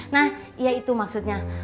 nah iya itu maksudnya